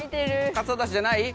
かつおだしじゃない？